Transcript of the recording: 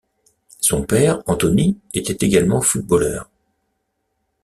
Son père, Anthony, était également footballeur.